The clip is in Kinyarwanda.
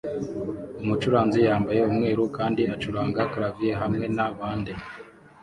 Umucuranzi yambaye umweru kandi acuranga clavier hamwe na bande